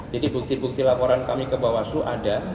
jadi bukti bukti laporan kami ke bawaslu ada